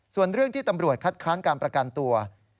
ส่วนเรื่องที่ตำรวจคัดค้านการประกันตัว